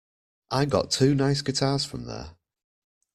I got two nice guitars from there.